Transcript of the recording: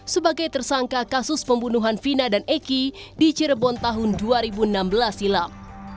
sebagai tersangka kasus pembunuhan vina dan eki di cirebon tahun dua ribu enam belas silam